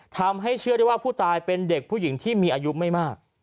ทำให้เชื่อได้ว่าผู้ตายเป็นเด็กผู้หญิงที่มีอายุไม่มาก